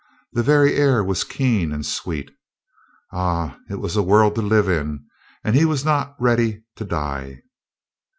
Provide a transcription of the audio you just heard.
The very air was keen and sweet. Ah, it was a world to live in, and he was not ready to die!